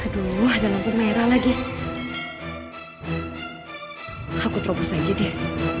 aduh ada lampu merah lagi aku terobos aja deh